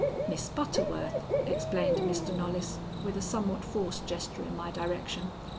"Miss Butterworth," explained Mr. Knollys with a somewhat forced gesture in my direction.